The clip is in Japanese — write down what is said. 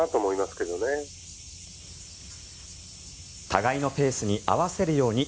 互いのペースに合わせるように